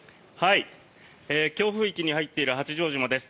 強風域に入っている八丈島です。